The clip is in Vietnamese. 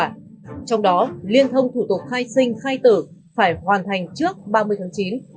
trong đó liên thông thủ tục khai sinh khai tử phải hoàn thành trước ba mươi tháng chín